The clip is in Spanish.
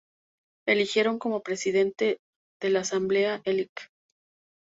Eligieron como Presidente de la Asamblea, el Lic.